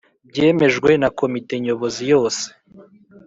byemejwe na Komite Nyobozi yose